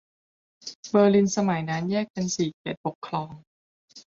เบอร์ลินสมัยนั้นแยกเป็นสี่เขตปกครอง